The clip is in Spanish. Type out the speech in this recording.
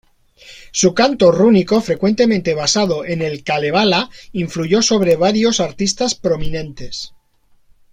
Su canto rúnico frecuentemente basado en el Kalevala influyó sobre varios artistas prominentes.